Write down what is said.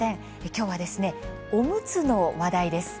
きょうは、おむつの話題です。